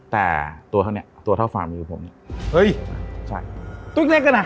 แต่ตัวเท่านี้ตัวเท่าฟังมีอยู่ผมเนี้ยเฮ้ยใช่ตัวเล็กเล็กอะน่ะ